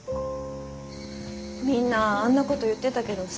みんなあんなこと言ってたけどさ